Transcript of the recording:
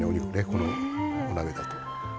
このお鍋だと。